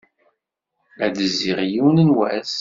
Ad d-zziɣ yiwen n wass.